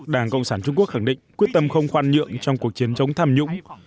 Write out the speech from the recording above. đảng cộng sản trung quốc khẳng định quyết tâm không khoan nhượng trong cuộc chiến chống tham nhũng